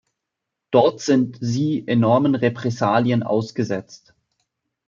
Dort sind sie enormen Repressalien ausgesetzt.